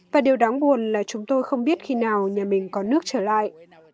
và điều đáng buồn là chúng tôi không biết khi nào nhà mình có nước trở lại